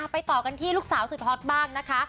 ต่อกันที่ลูกสาวสุดฮอตบ้างนะคะ